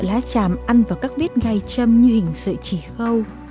dựa lá chàm ăn vào các vết gai châm như hình sợi chỉ khâu